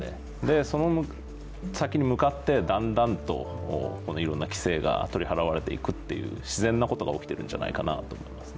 その先に向かってだんだんといろんな規制を取り払われていくという自然なことが起きているんじゃないかなと思いますね。